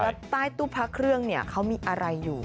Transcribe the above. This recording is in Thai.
แล้วใต้ตู้พระเครื่องเนี่ยเขามีอะไรอยู่